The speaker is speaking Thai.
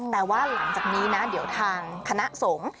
แต่ว่าหลังจากนี้นะเดี๋ยวทางคณะสงฆ์